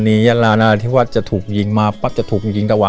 มันกลับมาก่อนที่จะรู้ว่ามันกลับมาก่อนที่จะรู้ว่า